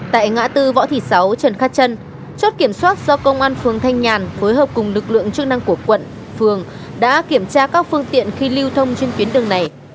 tại ngã tư võ thị sáu trần khát trân chốt kiểm soát do công an phường thanh nhàn phối hợp cùng lực lượng chức năng của quận phường đã kiểm tra các phương tiện khi lưu thông trên tuyến đường này